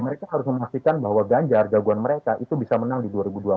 mereka harus memastikan bahwa ganjar jagoan mereka itu bisa menang di dua ribu dua puluh empat